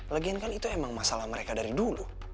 legian kan itu emang masalah mereka dari dulu